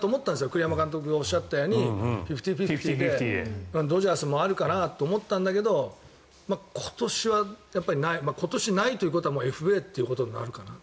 栗山監督がおっしゃったようにフィフティーフィフティーでドジャースもあるかなと思ったんだけど今年はないということはもうＦＡということになるかな。